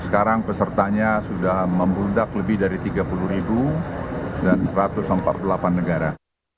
sekarang pesertanya sudah membludak lebih dari tiga puluh ribu dan satu ratus empat puluh delapan negara